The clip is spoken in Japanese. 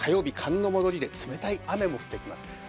寒の戻りで冷たい雨も降ってきます。